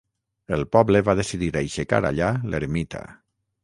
El poble va decidir aixecar allà l'ermita.